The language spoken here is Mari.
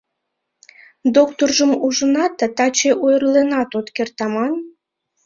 Докторжым ужынат да таче ойырленат от керт аман?